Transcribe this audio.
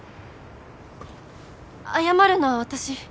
謝るのは私。